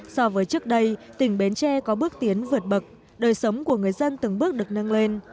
so với trước đây tỉnh bến tre có bước tiến vượt bậc đời sống của người dân từng bước được nâng lên